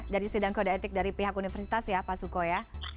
dari sidang kode etik dari pihak universitas ya pak suko ya